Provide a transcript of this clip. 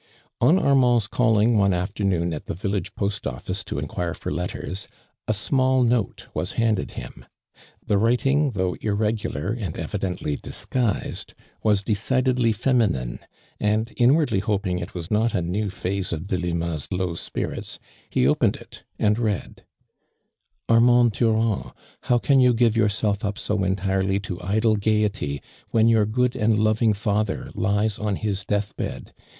On Armand's calling one afternoon at the village post office to enquire for letters, a small note was lumded him. The writing though irregular, and evidently disguis ed, was decidedly feminine, and inwardly hoping it was not a new phase of Delima's low spirits, he opened it and read : "Armand Durand, how can you give your self up so entirely to idle gaiety, when your good and loving father lies on hia death bed